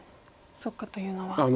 「そっか」というのは。